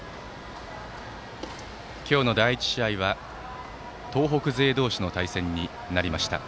今日の第１試合は東北勢同士の対戦となりました。